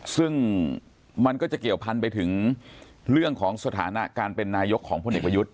ซึ่งมันก็จะเกี่ยวพันไปถึงเรื่องของสถานะการเป็นนายกของพลเอกประยุทธ์